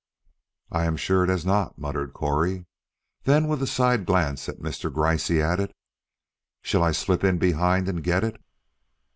"I am sure it has not," muttered Correy. Then with a side glance at Mr. Gryce, he added: "Shall I slip in behind and get it?"